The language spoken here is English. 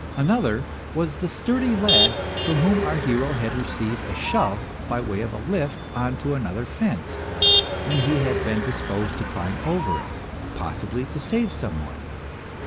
Another was the sturdy lad from whom our hero had received a shove by way of a lift on to another fence, when he had been disposed to climb over it, possibly to save some one.